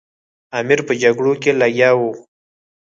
امیر په جګړو کې لګیا وو.